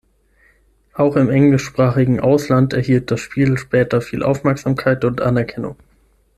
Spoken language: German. Auch im englischsprachigen Ausland erhielt das Spiel später viel Aufmerksamkeit und Anerkennung.